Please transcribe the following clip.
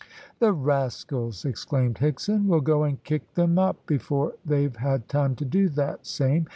"The rascals!" exclaimed Higson. "We'll go and kick them up before they've had time to do that same.